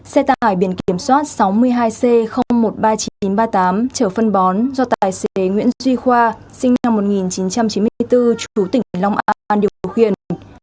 xe tải biển kiểm soát sáu mươi hai c một trăm ba mươi chín nghìn chín trăm ba mươi tám trở phân bón do tài xế nguyễn duy khoa sinh năm một nghìn chín trăm chín mươi bốn chú tỉnh long an điều khiển